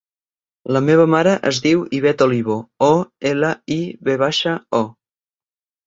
La meva mare es diu Ivet Olivo: o, ela, i, ve baixa, o.